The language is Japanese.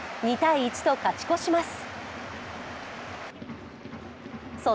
２−１と勝ち越します。